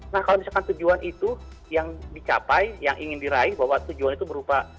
nah kalau misalkan tujuan itu yang dicapai yang ingin diraih bahwa tujuan itu berupa